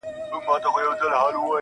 نړېدلي دېوالونه، دروازې د ښار پرتې دي,